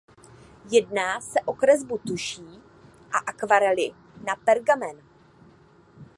Jedná se o kresbu tuší a akvarely na pergamen.